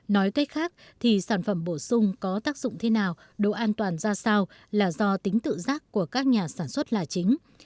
nói cách khác thì sản phẩm bổ sung có tác dụng thế nào độ an toàn ra sao là do tính tự giác của các nhà sản xuất là chính